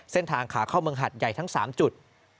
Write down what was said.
เส้นทางขาเข้าเมืองหัดใหญ่ทั้ง๓จุด